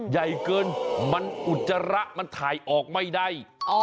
ใหญ่เกินมันอุจจาระมันถ่ายออกไม่ได้